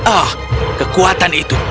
oh kekuatan itu